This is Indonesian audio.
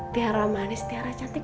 tiara manis tiara cantik